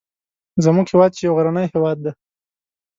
زموږ هیواد چې یو غرنی هیواد دی